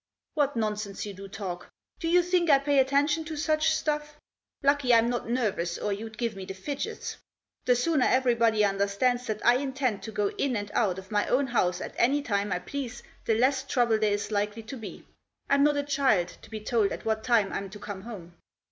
" What nonsense you do talk ! Do you think I pay attention to such stuff? Lucky I'm not nervous, or you'd give me the fidgets. The sooner everybody understands that I intend to go in and out of my own house at any time I please the less trouble there is likely to be. I'm not a child, to be told at what time I'm to come home."